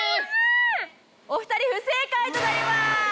お二人不正解となります。